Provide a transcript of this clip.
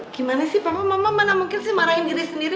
gimana sih pak mama mama mana mungkin sih marahin diri sendiri